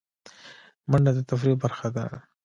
منډه د تفریح برخه ده